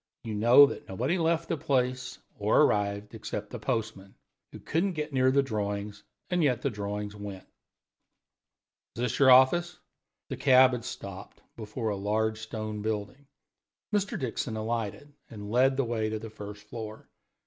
You know that nobody left the place or arrived, except the postman, who couldn't get near the drawings, and yet the drawings went. Is this your office?" The cab had stopped before a large stone building. Mr. Dixon alighted and led the way to the first floor.